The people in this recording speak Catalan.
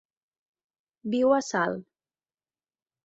Viu a Salt.